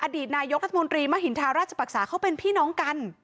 อดีตนายกรัฐมนตรีมหินทาราชปรักษาเขาเป็นพี่น้องกัน